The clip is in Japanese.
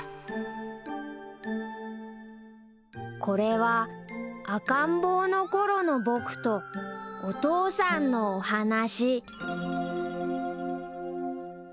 ［これは赤ん坊のころの僕とお父さんのお話］